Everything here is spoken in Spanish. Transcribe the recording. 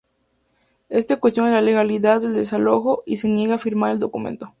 Éste cuestiona la legalidad del desalojo y se niega a firmar el documento.